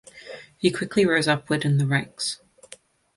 He quickly rose upwards in the ranks.